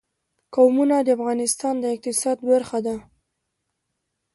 قومونه د افغانستان د اقتصاد برخه ده.